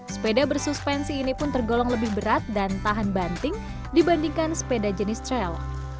sepeda bersuspensi ini pun tergolong lebih berat dan tahan banting dibandingkan sepeda jenis trail